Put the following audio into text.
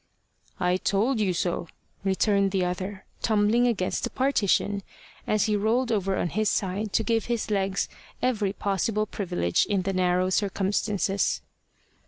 "I told you so," returned the other, tumbling against the partition as he rolled over on his side to give his legs every possible privilege in their narrow circumstances.